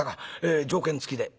「ええ条件付きで」。